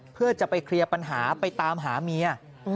เพื่อจะไปเคลียร์ปัญหาไปตามหาเมีย